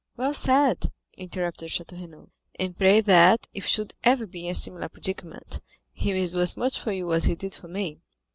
"Well said," interrupted Château Renaud; "and pray that, if you should ever be in a similar predicament, he may do as much for you as he did for me."